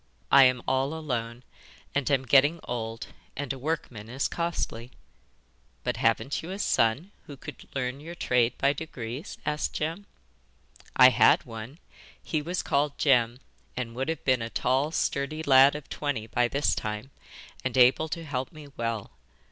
I am all alone, and am getting old, and a workman is costly.' 'But haven't you a son who could learn your trade by degrees?' asked Jem. 'I had one: he was called Jem, and would have been a tall sturdy lad of twenty by this time, and able to help me well.